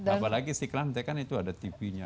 apalagi istiqlal nanti kan itu ada tv nya